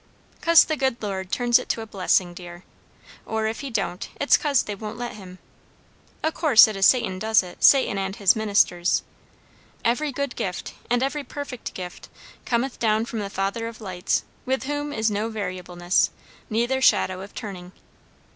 "'Cause the good Lord turns it to blessing, dear. Or if he don't, it's 'cause they won't let him. O' course it is Satan does it Satan and his ministers. 'Every good gift and every perfect gift cometh down from the Father of lights, with whom is no variableness, neither shadow of turning.'